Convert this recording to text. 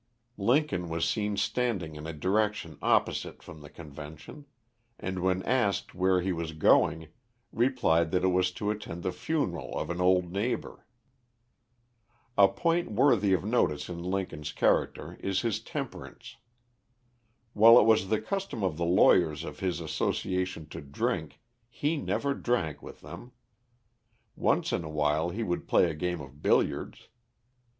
Lincoln was seen standing in a direction opposite from the convention; and when asked where he was going, replied that it was to attend the funeral of an old neighbor. A point worthy of notice in Lincoln's character is his temperance. While it was the custom of the lawyers of his association to drink, he never drank with them. Once in a while he would play a game of billiards.